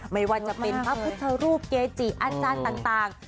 ไม่ว่าจะเป็นพระพุทธรูปเกจิอาจารย์ต่าง